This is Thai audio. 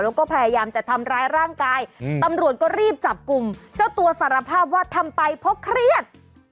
แล้วก็พยายามจะทำร้ายร่างกายตำรวจก็รีบจับกลุ่มเจ้าตัวสารภาพว่าทำไปเพราะเครียด